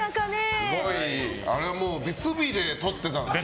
あれ、別日で撮ってたんですね。